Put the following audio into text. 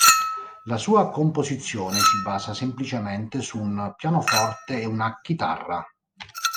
La sua composizione si basa semplicemente su un pianoforte e una chitarra.